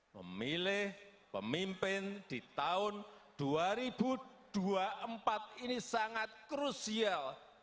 memilih pemimpin di tahun dua ribu dua puluh empat ini sangat krusial